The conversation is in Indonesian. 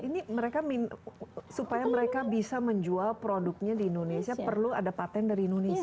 ini mereka supaya mereka bisa menjual produknya di indonesia perlu ada patent dari indonesia